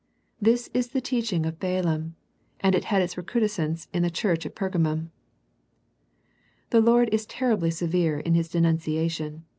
This is the teaching of Balaam, and it had its recrudes cence in the church at Pergamum. The Lord is terribly severe in His denuncia tion.